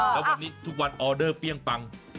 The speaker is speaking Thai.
แล้ววันนี้ทุกวันออเดอร์เปรี้ยงปัง